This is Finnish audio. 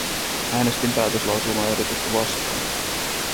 Äänestin päätöslauselmaehdotusta vastaan.